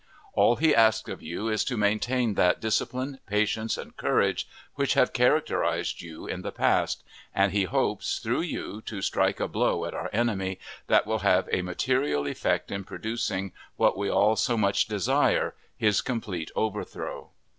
All he asks of you is to maintain that discipline, patience, and courage, which have characterized you in the past; and he hopes, through you, to strike a blow at our enemy that will have a material effect in producing what we all so much desire, his complete overthrow.